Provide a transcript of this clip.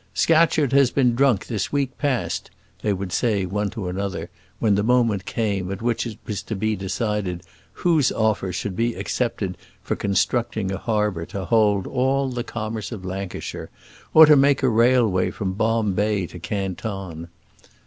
"Scatcherd has been drunk this week past," they would say one to another, when the moment came at which it was to be decided whose offer should be accepted for constructing a harbour to hold all the commerce of Lancashire, or to make a railway from Bombay to Canton.